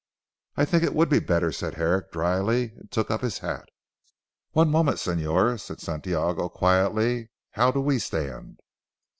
"I think it would be better," said Herrick dryly and took up his hat. "One moment, Señor," said Santiago quietly, "how do we stand?"